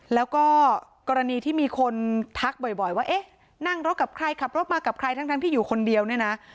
แล้วก็กรณีที่มีคนทักบ่อยว่าเอ๊ะนั่งรถกับใครขับรถมากับใครทั้งที่อยู่คนเดียวเนี่ยนะ